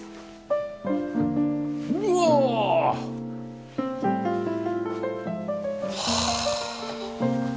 うわあ！はあ。